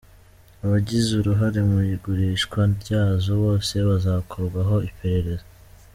Abagize uruhare mu igurishwa ryazo bose bazakorwaho iperereza.